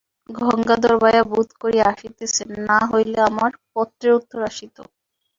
গঙ্গাধর-ভায়া বোধ করি আসিতেছেন, না হইলে আমার পত্রের উত্তর আসিত।